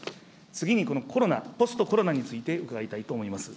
次にこのコロナ、ポストコロナについて伺いたいと思います。